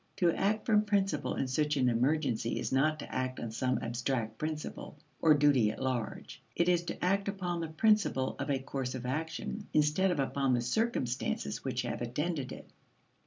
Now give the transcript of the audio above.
To act from principle in such an emergency is not to act on some abstract principle, or duty at large; it is to act upon the principle of a course of action, instead of upon the circumstances which have attended it.